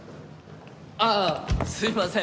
ああすいません！